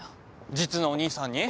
実のお兄さんに？